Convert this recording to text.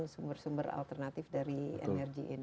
sumber sumber alternatif dari energi ini